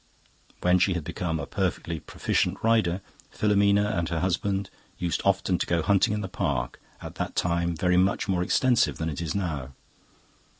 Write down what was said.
When she had become a perfectly proficient rider, Filomena and her husband used often to go hunting in the park, at that time very much more extensive than it is now.